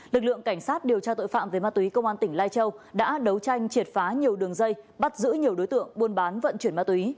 lực lượng cảnh sát điều tra tội phạm về ma túy công an tỉnh lai châu đã đấu tranh triệt phá nhiều đường dây bắt giữ nhiều đối tượng buôn bán vận chuyển ma túy